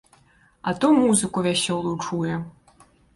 А то музыку вясёлую чуе.